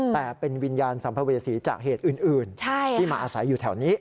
แต่เป็นวิญญาณสัมภเวษีจากเหตุอื่นที่มาอาศัยอยู่แถวนี้